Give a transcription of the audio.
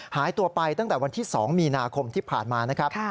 หายตัวไปตั้งแต่วันที่๒มีนาคมที่ผ่านมานะครับ